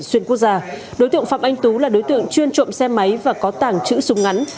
xuyên quốc gia đối tượng phạm anh tú là đối tượng chuyên trộm xe máy và có tàng trữ súng ngắn